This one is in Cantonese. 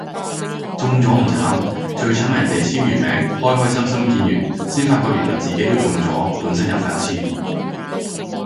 中咗唔慘，最慘係人哋簽完名開開心心見完先發覺原來自己都中咗本身有份簽